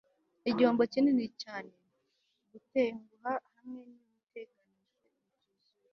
igihombo kinini cyane, gutenguha, hamwe n'ibiteganijwe bituzuye ..